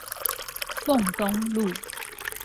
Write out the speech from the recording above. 鳳東路